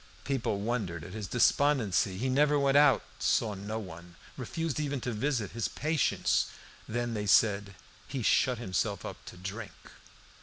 People wondered at his despondency. He never went out, saw no one, refused even to visit his patients. Then they said "he shut himself up to drink."